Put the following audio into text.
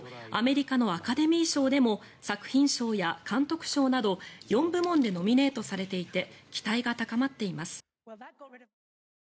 アメリカのアカデミー賞でも作品賞や監督賞など４部門でノミネートされていて期待が高まっています。